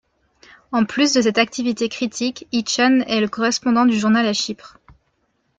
En plus de cette activité critique, Hitchens est le correspondant du journal à Chypre.